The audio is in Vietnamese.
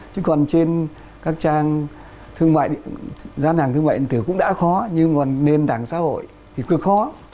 chứ còn trên các trang thương mại gian hàng thương mại điện tử cũng đã khó nhưng còn nền tảng xã hội thì cơ khó